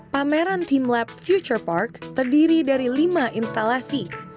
pameran timelab future park terdiri dari lima instalasi